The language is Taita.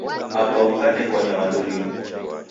Apa ukanekwa nyamandu rimu